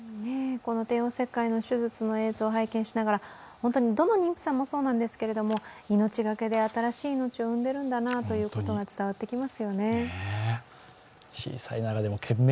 この帝王切開の手術の映像を拝見しながら本当にどの妊婦さんもそうなんですけど命がけで新しい命を産んでるんだなということが伝わってきます。